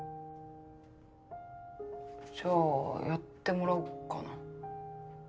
じゃあやってもらおっかな。